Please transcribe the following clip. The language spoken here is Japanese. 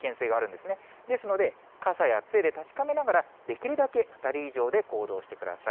ですので、傘やつえで確かめながら、できるだけ２人以上で行動してください。